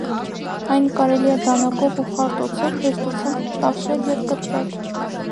Այն կարելի է դանակով ու խարտոցով հեշտությամբ տաշել և կտրել։